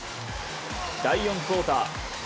第４クオーター。